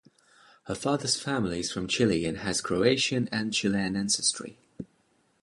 Her father's family is from Chile and has Croatian and Chilean ancestry.